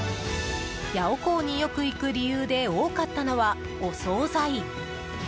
ヤオコーによく行く理由で多かったのは、お総菜。